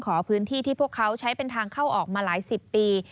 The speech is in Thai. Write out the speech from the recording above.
ขอพื้นที่ที่พวกเขาใช้เป็นทางเข้าออกมาหลายสิบปี